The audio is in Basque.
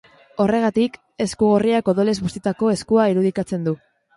Horregatik, esku gorriak odolez bustitako eskua irudikatzen du.